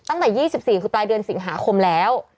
ตั้งแต่๒๔คือปลายเดือนสิงหาคมแล้ว